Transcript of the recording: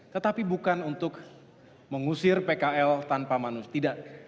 tetapi bukan untuk mengusir pkl tanpa manusia